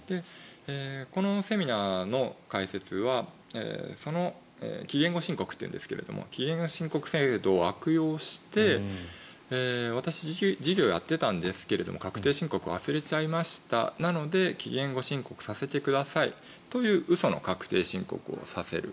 このセミナーの解説は期限後申告というんですけど期限後申告制度を悪用して私、事業をやっていたんですが確定申告を忘れちゃいましたなので期限後申告させてくださいという嘘の確定申告をさせる。